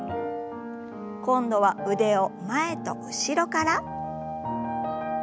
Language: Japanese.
今度は腕を前と後ろから。